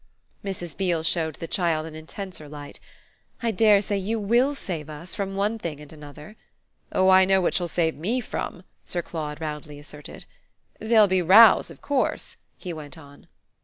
Mrs. Beale showed the child an intenser light. "I dare say you WILL save us from one thing and another." "Oh I know what she'll save ME from!" Sir Claude roundly asserted. "There'll be rows of course," he went on.